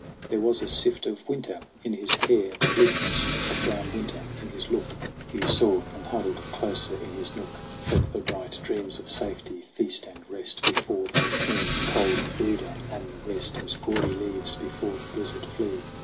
There was a sift of winter in his hair, The bleakness of brown winter in his look. THE CRAWL 75 Hugh saw, and huddled closer in his nook. Fled the bright dreams of safety, feast and rest Before that keen, cold brooder on the West, As gaudy leaves before the blizzard flee.